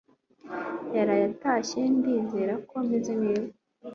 yaraye atashye Ndizera ko ameze neza